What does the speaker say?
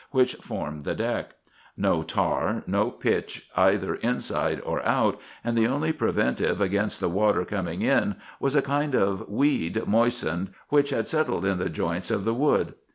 381 which formed the deck : no tar, no pitch either inside or out, and the only preventive against the water coming in was a kind of weed moistened, which had settled in the joints of the wood.